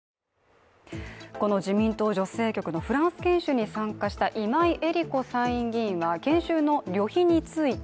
自民党女性局のフランス研修に参加した今井絵理子参議院議員は研修の旅費について